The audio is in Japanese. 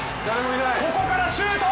ここからシュート！